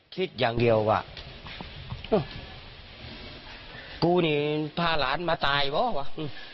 คิดอย่างเดียวว่ากูนี่พาหลานมาตายหรือเปล่า